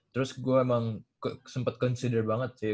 terus gua emang sempet consider banget sih